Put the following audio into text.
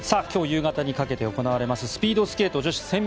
今日夕方にかけて行われますスピードスケート女子１０００ｍ